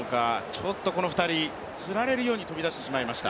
ちょっとこの２人つられるように飛び出してしまいました。